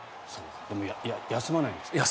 でも、休まないんですね。